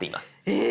え